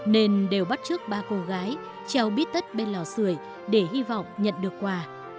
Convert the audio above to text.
nên đều bắt trước ba cô gái treo bít tất bên lò xười để hy vọng nhận được quà